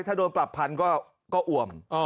ถ้าโดนปรับ๑๐๐๐บาทก็อ่วม